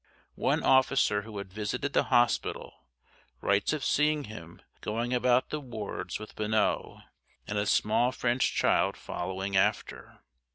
One officer who had visited the hospital writes of seeing him going about the wards with Bonneau and a small French child following after.